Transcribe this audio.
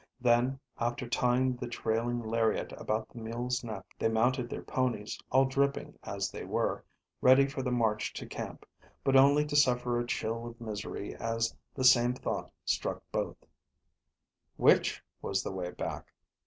Then, after tying the trailing lariat about the mule's neck, they mounted their ponies, all dripping as they were, ready for the march to camp, but only to suffer a chill of misery as the same thought struck both Which was the way back?